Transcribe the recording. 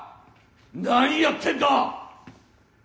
何やってんだ！